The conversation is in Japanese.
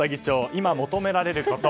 今求められること。